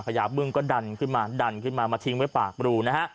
ญาบึ้งก็ดันขึ้นมาดันขึ้นมามาทิ้งไว้ปากรูนะฮะ